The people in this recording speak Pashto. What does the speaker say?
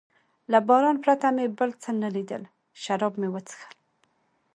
له باران پرته مې بل څه نه لیدل، شراب مې و څښل.